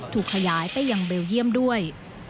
ถูกขยายไปยังเบลเยี่ยมด้วย